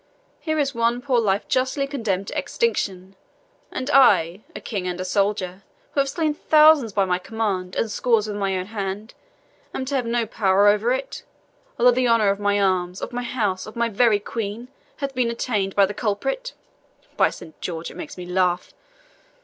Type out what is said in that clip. Here is one poor life justly condemned to extinction, and I, a king and a soldier, who have slain thousands by my command, and scores with my own hand, am to have no power over it, although the honour of my arms, of my house, of my very Queen, hath been attainted by the culprit. By Saint George, it makes me laugh!